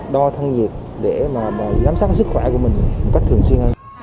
đo thân nhiệt để mà giám sát sức khỏe của mình một cách thường xuyên hơn